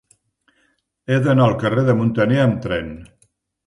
He d'anar al carrer de Muntaner amb tren.